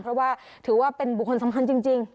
เพราะว่าถือว่าเป็นบุคคลสำคัญจริง